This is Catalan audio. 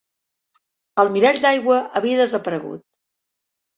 El mirall d'aigua havia desaparegut